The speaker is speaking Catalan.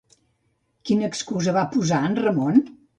Quina excusa va posar en Ramon?